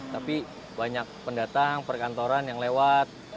tapi banyak pendatang perkantoran yang lewat